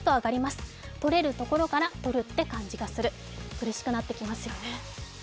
苦しくなってきますよね。